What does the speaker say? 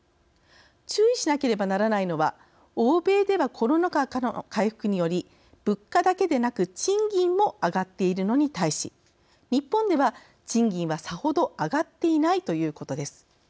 注意しなければならないのは欧米ではコロナ禍からの回復により物価だけでなく賃金も上がっているのに対し日本では、賃金はさほど上がっていないということです。